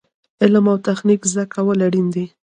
علم او تخنیک زده کول اړین دي